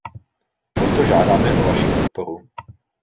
Proto žádáme o vaši podporu.